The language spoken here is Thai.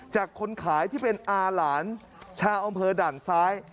คนขายที่เป็นอาหลานชาวอำเภอด่านซ้าย